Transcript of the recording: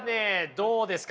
どうですか？